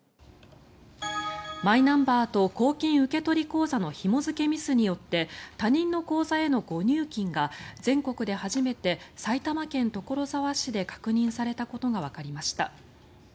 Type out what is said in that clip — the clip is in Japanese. マイナンバーと公金受取口座のひも付けミスによって他人の口座への誤入金が全国で初めて埼玉県所沢市で確認されたことがわかりました。